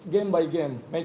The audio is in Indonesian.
dan kami akan menang